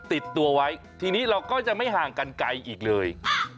ติดตัวไว้ทีนี้เราก็จะไม่ห่างกันไกลอีกเลย